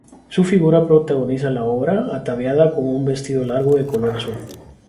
Su figura protagoniza la obra, ataviada con un vestido largo de color azul.